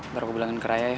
nanti aku bilangin ke raya ya